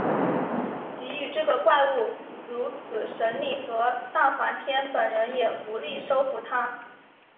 给予这个怪物如此神力的大梵天本人也无力收服它。